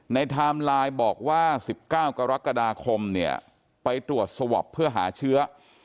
ไทม์ไลน์บอกว่า๑๙กรกฎาคมเนี่ยไปตรวจสวอปเพื่อหาเชื้อ